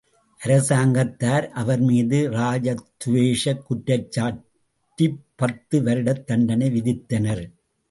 அரசாங்கத்தார் அவர்மீது ராஜத்துவேஷக் குற்றஞ்சாட்டிப் பத்து வருடத் தண்டனை விதித்தனர்.